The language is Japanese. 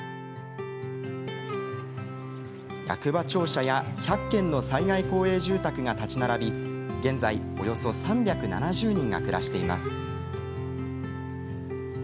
役場庁舎や、１００軒の災害公営住宅が建ち並び現在、およそ３７０人が暮らしています。